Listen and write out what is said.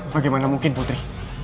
bagaimana mungkin putri